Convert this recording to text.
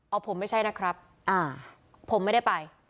เอาผมไม่ใช่นะครับผมไม่ได้ไป